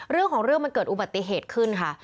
เรื่องของเรื่องมันเกิดอุบัติเหตุขึ้นค่ะ